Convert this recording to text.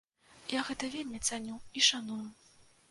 Я гэта вельмі цаню і шаную.